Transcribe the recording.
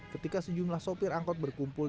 ketika sejumlah sopir angkot berkumpul